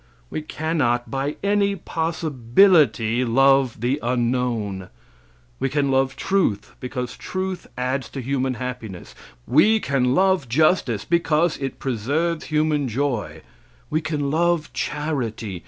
We cannot by any possibility love the unknown. We can love truth, because truth adds to human happiness. We can love justice, because it preserves human joy. We can love charity.